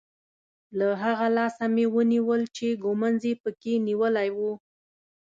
له هغه لاسه مې ونیول چې ږومنځ یې په کې نیولی وو.